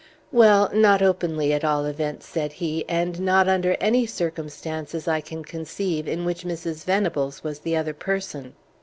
"Well, not openly, at all events," said he; "and not under any circumstances I can conceive in which Mrs. Venables was the other person."